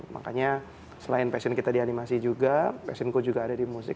makanya selain passion kita di animasi juga passionku juga ada di musik